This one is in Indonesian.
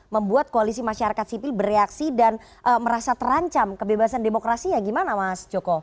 membuat koalisi masyarakat sipil bereaksi dan merasa terancam kebebasan demokrasi ya gimana mas joko